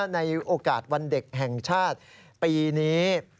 ในโอกาสวันเด็กแห่งชาติปีนี้